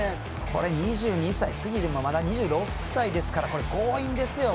２２歳次でもまだ２６歳ですからこれ、強引ですよ。